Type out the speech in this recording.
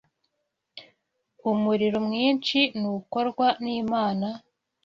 umuriro mwinshi nukorwa nimana